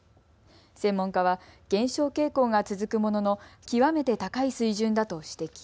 専門家は減少傾向が続くものの極めて高い水準だと指摘。